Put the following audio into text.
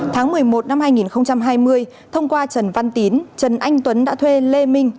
tháng một mươi một năm hai nghìn hai mươi thông qua trần văn tín trần anh tuấn đã thuê lê minh